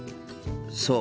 そう。